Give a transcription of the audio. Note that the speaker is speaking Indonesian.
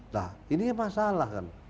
nah ini masalah kan